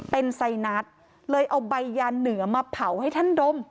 เป็นไซนัสเลยเอาใบยาเหนือมาเผาให้ท่านดม